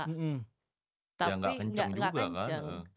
ya gak kenceng juga kan